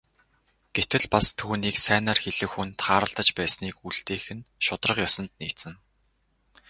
Гэтэл бас түүнийг сайнаар хэлэх хүн тааралдаж байсныг үлдээх нь шударга ёсонд нийцнэ.